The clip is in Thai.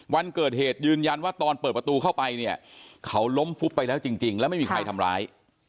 วันเกิดเหตุยืนยันว่าตอนเปิดประตูเข้าไปเนี่ยเขาล้มฟุบไปแล้วจริงแล้วไม่มีใครทำร้าย